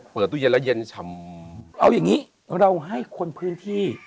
เปิดตู้เย็นแล้วเย็นฉ่ำเอาอย่างนี้เราให้คนพื้นที่